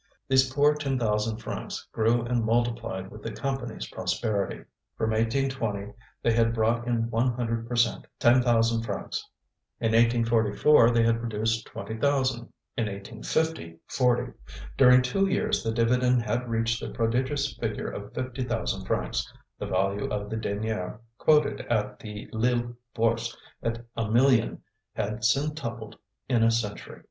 Those poor ten thousand francs grew and multiplied with the Company's prosperity. From 1820 they had brought in one hundred per cent, ten thousand francs. In 1844 they had produced twenty thousand; in 1850, forty. During two years the dividend had reached the prodigious figure of fifty thousand francs; the value of the denier, quoted at the Lille bourse at a million, had centupled in a century.